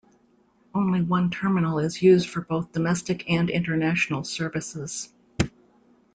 Only one terminal is used for both domestic and international services.